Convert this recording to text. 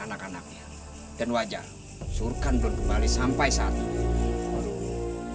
anak anaknya dan wajar surkan belum kembali sampai saat ini